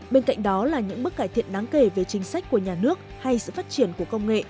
bên cạnh đó là những bước cải thiện đáng kể về chính sách của nhà nước hay sự phát triển của công nghệ